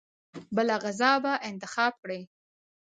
بله غذا به انتخاب کړي.